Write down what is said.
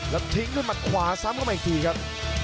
แล้วทิ้งด้วยมัดขวาซ้ำเข้ามาอีกทีครับ